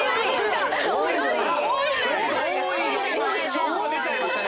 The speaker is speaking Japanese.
証拠が出ちゃいましたね